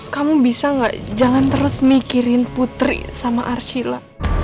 kamu bisa gak jangan terus mikirin putri sama archila